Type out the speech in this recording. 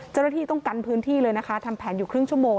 เจ้าหน้าที่ต้องกันพื้นที่เลยนะคะทำแผนอยู่ครึ่งชั่วโมง